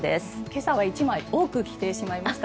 今朝は１枚多く着てしまいました。